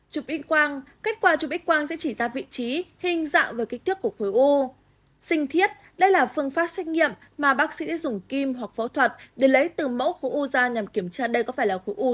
chụp x quang kết quả chụp x quang sẽ chỉ ra vị trí hình dạng và kích thước của khối u